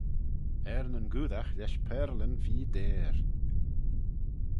Er nyn goodagh lesh pearlyn feer deyr.